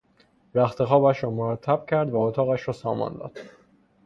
رختخوابش را مرتب کرد و اطاقش را سامان داد.